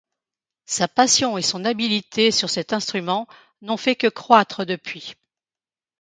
Sa passion et son habilité sur cet instrument n'ont fait que croitre depuis.